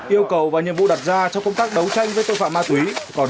yêu cầu và nhiệm vụ đặt ra cho công tác đấu tranh với tội phạm ma túy